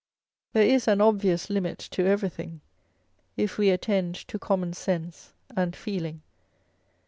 There is an obvious limit to everything, if we attend to common sense and feeling.